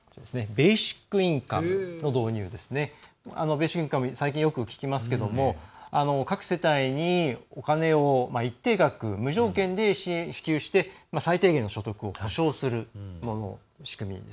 ベーシックインカム最近よく聞きますけれども各世帯にお金を一定額無条件で支給して最低限の所得を保障する仕組み。